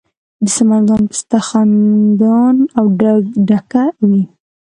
د سمنګان پسته خندان او ډکه وي.